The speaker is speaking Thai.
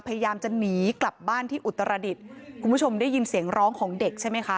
พยายามจะหนีกลับบ้านที่อุตรดิษฐ์คุณผู้ชมได้ยินเสียงร้องของเด็กใช่ไหมคะ